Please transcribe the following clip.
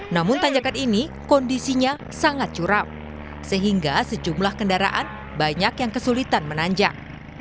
namun tanjakan ini kondisinya sangat curam sehingga sejumlah kendaraan banyak yang kesulitan menanjak